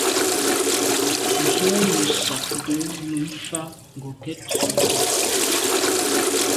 Nzwe nesagte num mfà ngokèt.